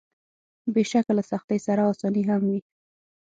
بېشکه له سختۍ سره اساني هم وي.